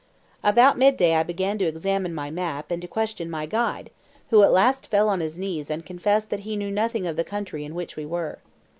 About midday I began to examine my map and to question my guide, who at last fell on his knees and confessed that he knew nothing of the country in which we were.